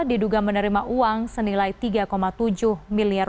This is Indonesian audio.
diduga menerima uang senilai rp tiga tujuh miliar